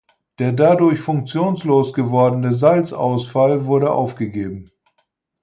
Der dadurch funktionslos gewordene Salzausfall wurde aufgegeben.